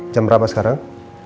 jam berapa sekarang